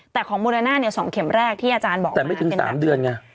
แต่ของโมเลน่าสองเข็มแรกที่อาจารย์บอกแต่ไม่ถึงสามเดือนไง